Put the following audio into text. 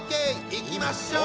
いきましょう！